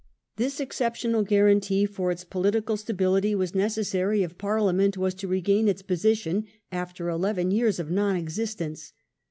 This exceptional guarantee for its political stability was necessary if Parliament was to regain its position after eleven years of non existence.